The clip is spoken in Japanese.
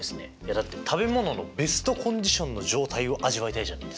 だって食べ物のベストコンディションの状態を味わいたいじゃないですか。